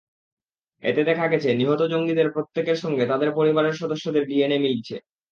এতে দেখা গেছে, নিহত জঙ্গিদের প্রত্যেকের সঙ্গে তাঁদের পরিবারের সদস্যদের ডিএনএ মিলেছে।